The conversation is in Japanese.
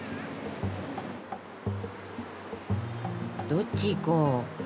どっち行こう。